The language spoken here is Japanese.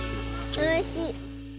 おいしい。